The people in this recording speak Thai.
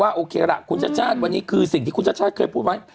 โอเคล่ะคุณชาติชาติวันนี้คือสิ่งที่คุณชาติชาติเคยพูดไว้